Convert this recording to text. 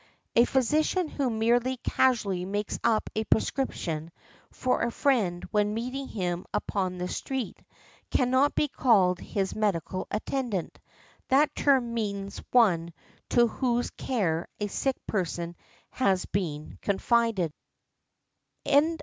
A physician who merely casually makes up a prescription for a friend when meeting him upon the street, cannot be called his medical attendant; that term means one to whose care a sick person has been confided .